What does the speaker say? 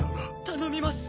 頼みます。